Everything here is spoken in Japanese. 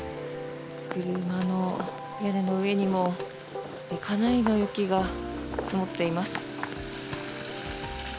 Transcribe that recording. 車の屋根の上にもかなりの雪が積もっています。